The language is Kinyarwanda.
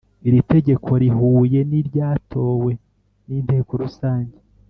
iri tegeko rihuye n iryatowe n Inteko Rusange